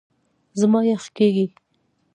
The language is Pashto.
زما یخ کېږي .